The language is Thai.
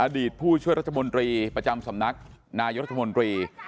ผู้ช่วยรัฐมนตรีประจำสำนักนายรัฐมนตรี